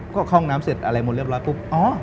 ก็เข้าห้องน้ำเสร็จอะไรหมดเรียบร้อยปุ๊บ